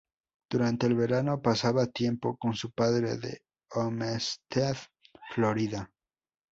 Durante el verano pasaba tiempo con su padre en Homestead, Florida.